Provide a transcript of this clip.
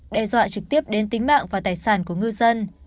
đe dọa trực tiếp đến tính mạng và tài sản của ngư dân